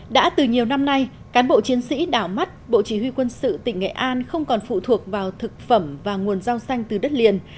đã từ nhiều năm nay cán bộ chiến sĩ đảo mắt bộ chỉ huy quân sự tỉnh nghệ an không còn phụ thuộc vào thực phẩm và nguồn rau xanh từ đất liền